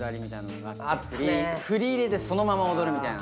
フリ入れでそのまま踊るみたいな。